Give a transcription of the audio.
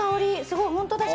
すごい本当だ。